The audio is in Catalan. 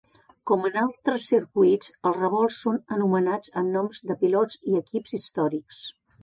Com en altres circuits, els revolts són anomenats amb noms de pilots i equips històrics.